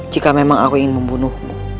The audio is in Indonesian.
jika memang aku ingin membunuhmu